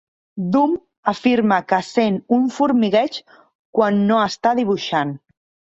Dumm afirma que sent un formigueig quan no està dibuixant.